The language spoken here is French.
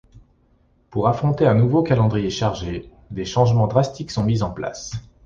Pour affronter un nouveau calendrier plus chargé, des changements drastiques sont mis en place.